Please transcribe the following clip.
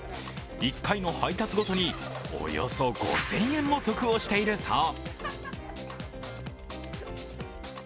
１回の配達ごとにおよそ５０００円も得をしているそう。